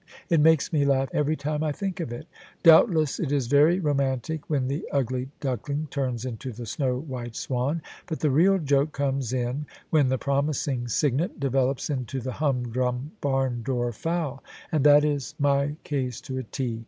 It makes me laugh every time I think of it. Doubtless it is very romantic when the ugly duckling turns into the snow white swan : but the real joke comes in when the promising cygnet developes into the humdrum barn door fowl. And that is my case to a T.